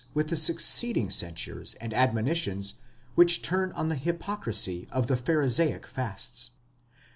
341 with the succeeding censures and admonitions which turn on the hypocrisy of the Pharisaic fasts.